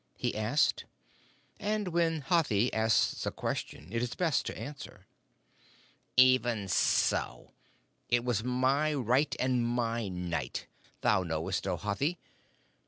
he asked; and when Hathi asks a question it is best to answer. "Even so. It was my right and my Night. Thou knowest, O Hathi."